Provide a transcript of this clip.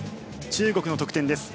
中国の得点です。